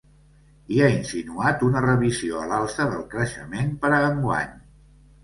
I ha insinuat una revisió a l’alça del creixement per a enguany.